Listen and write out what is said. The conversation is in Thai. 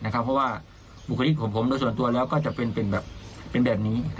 เพราะว่าบุคลิกของผมโดยส่วนตัวแล้วก็จะเป็นแบบนี้